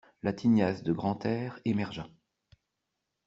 La tignasse de Grantaire émergea.